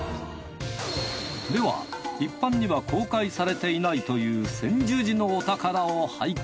では一般には公開されていないという専修寺のお宝を拝見